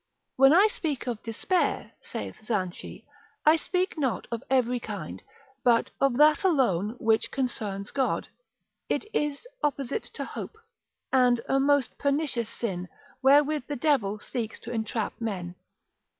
When I speak of despair, saith Zanchie, I speak not of every kind, but of that alone which concerns God. It is opposite to hope, and a most pernicious sin, wherewith the devil seeks to entrap men.